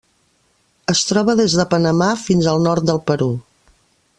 Es troba des de Panamà fins al nord del Perú.